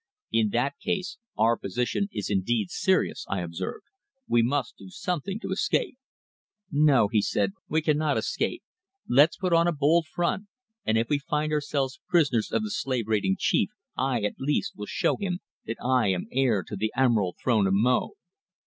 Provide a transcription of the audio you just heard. "In that case our position is indeed serious," I observed. "We must do something to escape." "No," he said. "We cannot escape. Let's put on a bold front, and if we find ourselves prisoners of the slave raiding chief, I, at least, will show him that I am heir to the Emerald Throne of Mo."